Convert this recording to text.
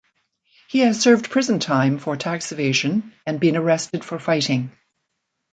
He has served prison time for tax evasion and been arrested for fighting.